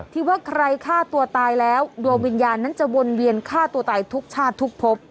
ที่ว่าใครฆ่าตัวตายแล้วดวงวิญญาณนั้นจะวนเวียนฆ่าตัวตายทุกชาติทุกพบ